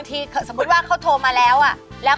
ที่ข้าหวังว่ามันไปแล้ว